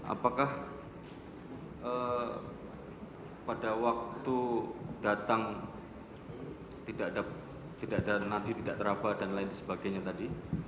apakah pada waktu datang tidak ada nadi tidak teraba dan lain sebagainya tadi